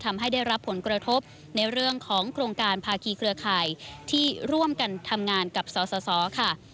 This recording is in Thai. ทำให้ได้รับผลกระทบในเรื่องของโครงการภาคีเครือข่ายที่ร่วมกันทำงานกับสสค่ะ